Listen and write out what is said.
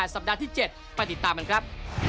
สัปดาห์ที่๗ไปติดตามกันครับ